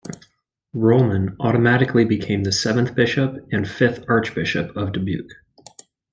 Rohlman automatically became the seventh bishop and fifth archbishop of Dubuque.